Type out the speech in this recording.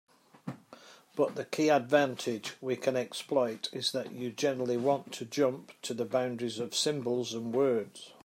But the key advantage we can exploit is that you generally want to jump to the boundaries of symbols and words.